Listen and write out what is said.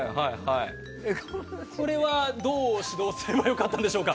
これはどう指導すれば良かったんでしょうか。